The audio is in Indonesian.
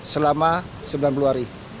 selama sembilan puluh hari